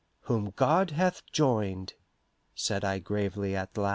"Whom God hath joined " said I gravely at the last.